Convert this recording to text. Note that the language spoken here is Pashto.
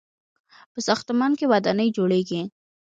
په ساختمان کې ودانۍ جوړیږي.